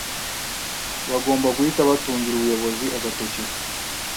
bagomba guhita batungira ubuyobozi agatoki.